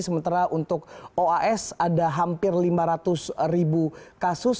sementara untuk oas ada hampir lima ratus ribu kasus